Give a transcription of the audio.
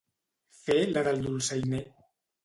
Fer la del dolçainer.